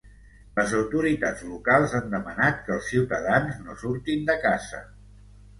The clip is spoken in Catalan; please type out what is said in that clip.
Les autoritats locals han demanat que els ciutadans no surtin de casa.